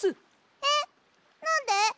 えっなんで？